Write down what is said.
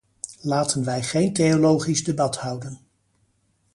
Laten wij geen theologisch debat houden.